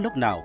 không kêu kỳ